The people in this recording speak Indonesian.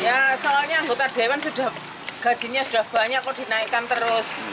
ya soalnya anggota dewan sudah gajinya sudah banyak kok dinaikkan terus